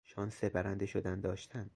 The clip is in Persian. شانس برنده شدن داشتن